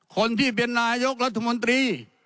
คนที่เป็นนายกรัฐมนตรี